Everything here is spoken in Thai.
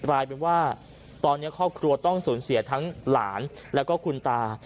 กลายเป็นว่าตอนนี้ครอบครัวต้องสูญเสียทั้งหลานแล้วก็คุณตา